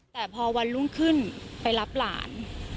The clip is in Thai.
แต่พอวันรุ่งขึ้นไปรับหลาน